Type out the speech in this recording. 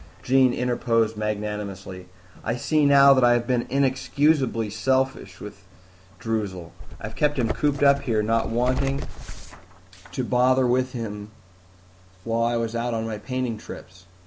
Jean interposed magnanimously, "I see now that I have been inexcusably selfish with Droozle. I've kept him cooped up here, not wanting to bother with him while I was out on my painting trips.